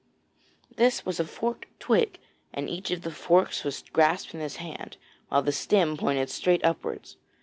This was a forked twig, and each of the forks was grasped in his hand, while the stem pointed straight upwards.